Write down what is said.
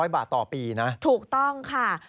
๐บาทต่อปีนะถูกต้องค่ะ